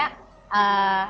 sdm kita bisa terhubung